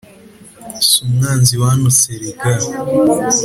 Si umwanzi wantutse erega